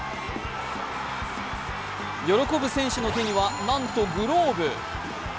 喜ぶ選手の手には、なんとグローブ。